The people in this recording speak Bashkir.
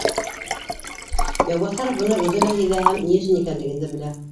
Яубаҫаров быны үҙе лә һиҙә һәм ни өсөн икәнлеген дә белә